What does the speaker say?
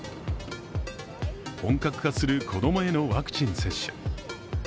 本格化する子供へのワクチン接種。